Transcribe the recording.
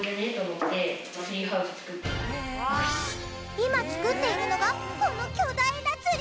今作っているのがこの巨大なツリーハウス。